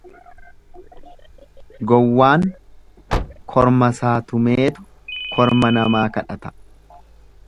Gowwaan kormasaa tumeetu korma namaa kadhata.